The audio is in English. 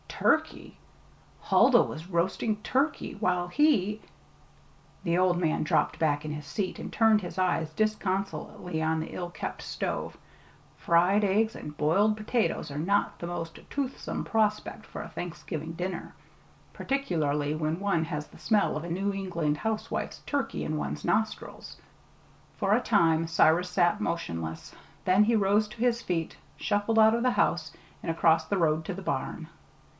Turkey! Huldah was roasting turkey, while he The old man dropped back in his seat and turned his eyes disconsolately on the ill kept stove fried eggs and boiled potatoes are not the most toothsome prospect for a Thanksgiving dinner, particularly when one has the smell of a New England housewife's turkey in one's nostrils. For a time Cyrus sat motionless; then he rose to his feet, shuffled out of the house, and across the road to the barn.